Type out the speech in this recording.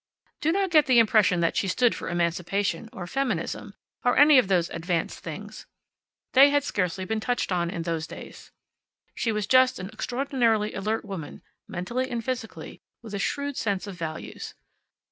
Do not get the impression that she stood for emancipation, or feminism, or any of those advanced things. They had scarcely been touched on in those days. She was just an extraordinarily alert woman, mentally and physically, with a shrewd sense of values.